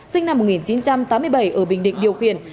sinh năm một nghìn chín trăm tám mươi bảy ở bình định điều khiển